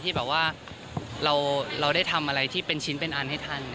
ที่แบบว่าเราได้ทำอะไรที่เป็นชิ้นเป็นอันให้ท่าน